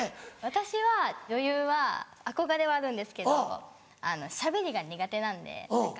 私は女優は憧れはあるんですけどしゃべりが苦手なんで。